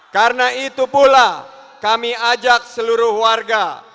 karena itu pula kami ajak seluruh warga